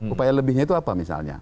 upaya lebihnya itu apa misalnya